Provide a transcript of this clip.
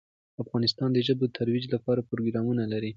افغانستان د ژبو د ترویج لپاره پروګرامونه لري.